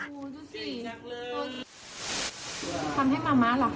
ทำให้มาม่าหรอกคะ